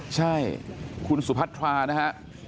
ใช่คุณสุพัทรานะฮะ